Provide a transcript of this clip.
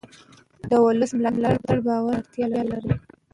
د ولس ملاتړ باور ته اړتیا لري